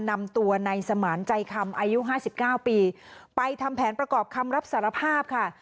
นำตัวในสมานใจคำอายุห้าสิบเก้าปีไปทำแผนประกอบคำรับสารภาพค่ะ